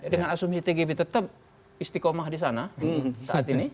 dengan asumsi tgb tetap istiqomah di sana saat ini